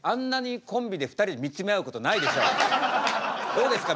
どうですか？